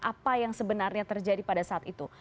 apa yang sebenarnya terjadi pada saat itu